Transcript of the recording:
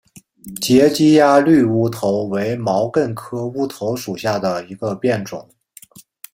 截基鸭绿乌头为毛茛科乌头属下的一个变种。